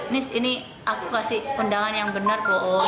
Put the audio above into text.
nis ini aku kasih pendangan yang benar